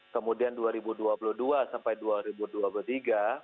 kemudian dua ribu dua puluh dua sampai dua ribu dua puluh tiga